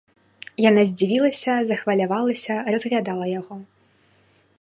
Яна здзівілася, захвалявалася, разглядала яго.